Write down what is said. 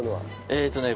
えっとね